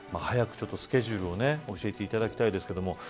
早くスケジュールを教えていただきたいです。